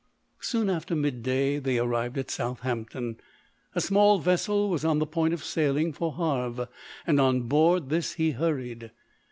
Soon after mid day, they arrived at Southampton ; a small vessel was on the point of sailing for Havre, and on board this he hurried.